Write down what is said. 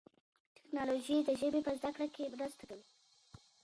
تکنالوژي د ژبي په زده کړه کي مرسته کوي.